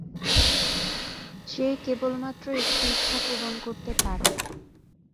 যে কেবলমাত্র একটি ইচ্ছা পূরণ করতে পারে।